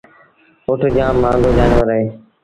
اُٺ جآم مآݩگو جآنور اهي